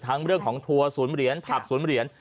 เรื่องของทัวร์ศูนย์เหรียญผักศูนย์เหรียญ